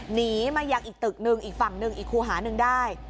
หนีมายังอีกตึกหนึ่งอีกฝั่งหนึ่งอีกคู่หาหนึ่งได้